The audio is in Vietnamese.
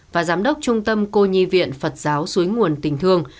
và giám đốc trung tâm cô nhi viện phật giáo suối nguồn tình thương